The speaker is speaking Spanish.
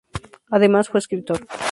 Además fue escritor.